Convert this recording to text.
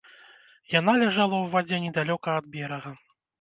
Яна ляжала ў вадзе недалёка ад берага.